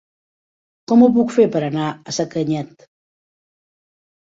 Com ho puc fer per anar a Sacanyet?